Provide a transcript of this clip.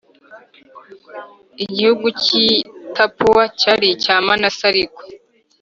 Igihugu cy i tapuwa cyari icya manase ariko